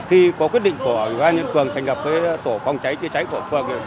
khi có quyết định của các nhân phường thành gặp với tổ phòng cháy chữa cháy của phòng